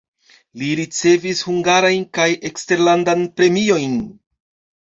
Li ricevis hungarajn kaj eksterlandan premiojn.